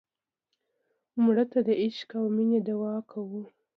مړه ته د عشق او مینې دعا کوو